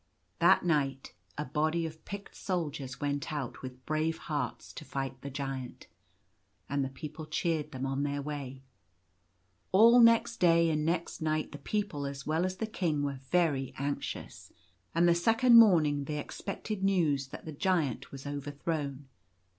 That night a body of picked soldiers went out with brave hearts to fight the Giant, and the people cheered them on their way. All next day and next night the people as well as the King were very anxious ; and the second morning they expected news that the Giant was overthrown.